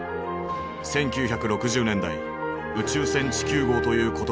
１９６０年代「宇宙船地球号」という言葉を唱え